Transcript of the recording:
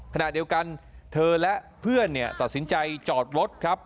ขณะเดียวกันเธอและเพื่อนตัดสินใจจอดรถครับ